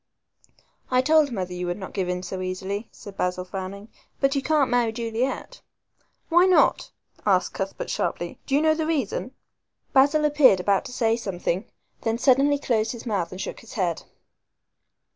"I told mother you would not give in easily," said Basil, frowning, "but you can't marry Juliet." "Why not?" asked Cuthbert sharply; "do you know the reason?" Basil appeared about to say something, then suddenly closed his mouth and shook his head.